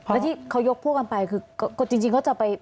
แล้วที่เขายกพวกกันไปคือก็จริงเขาจะไป